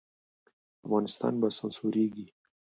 افغانستان به سمسوریږي